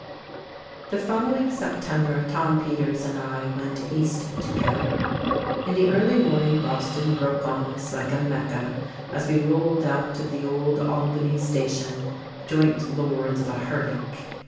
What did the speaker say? The following September Tom Peters and I went East together. In the early morning Boston broke on us like a Mecca as we rolled out of the old Albany station, joint lords of a "herdic."